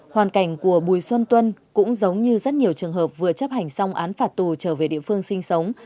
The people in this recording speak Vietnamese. hoàn cảnh của bùi xuân tuân cũng giống như rất nhiều trường hợp vừa chấp hành xong án phạt tù trở về địa phương sinh sống